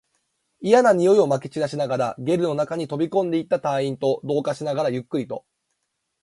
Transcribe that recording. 嫌な臭いを撒き散らしながら、ゲルの中に飛び込んでいった隊員を同化しながら、ゆっくりと